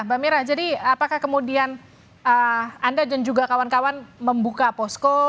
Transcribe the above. mbak mira jadi apakah kemudian anda dan juga kawan kawan membuka posko